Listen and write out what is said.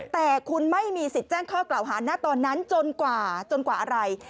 แต่คุณไม่มีสิทธิ์แจ้งข้อกล่าวหาณตอนนั้นจนกว่าอะไร